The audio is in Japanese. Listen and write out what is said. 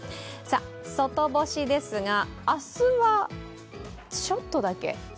外干しですが、明日はちょっとだけ。